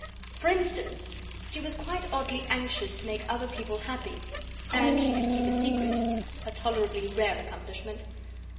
For instance, she was quite oddly anxious to make other people happy. And she could keep a secret, a tolerably rare accomplishment.